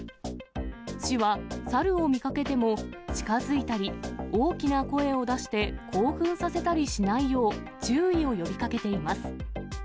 市は、サルを見かけても、近づいたり、大きな声を出して興奮させたりしないよう、注意を呼びかけています。